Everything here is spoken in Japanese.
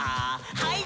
はい。